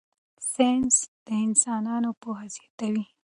ساینس د انسانانو پوهه زیاتوي.